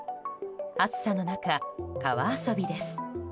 暑さの中、川遊びです。